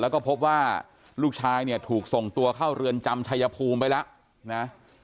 แล้วก็พบว่าลูกชายเนี่ยถูกส่งตัวเข้าเรือนจำชายภูมิไปแล้วนะ